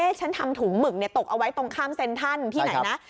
บังว่าเอ่ฉันทำถุงหมึกนึกตกเอาไว้ตรงข้ามเซ็นทั่นที่ไหนนะ